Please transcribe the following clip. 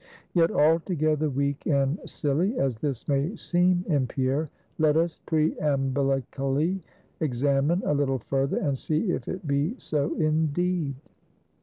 Yet altogether weak and silly as this may seem in Pierre, let us preambillically examine a little further, and see if it be so indeed.